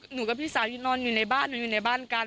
หนูกับพี่สาวที่นอนอยู่ในบ้านหนูอยู่ในบ้านกัน